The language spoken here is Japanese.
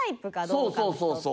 そうそうそうそう。